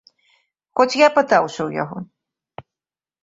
Хоць я пытаўся ў яго.